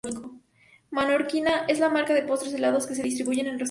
Menorquina es la marca de postres helados que se distribuye en restauración.